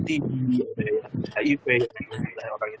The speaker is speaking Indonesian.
di orang yang